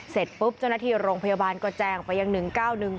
เสร็จปุ๊บจนทีโรงพยาบาลก็แจ้งไปอย่าง๑๙๑